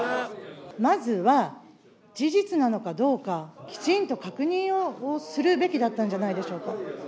まずは、事実なのかどうか、きちんと確認をするべきだったんじゃないでしょうか。